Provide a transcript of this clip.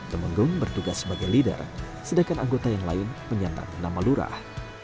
temenggung bertugas sebagai leader sedangkan anggota yang lain menyatar nama lurah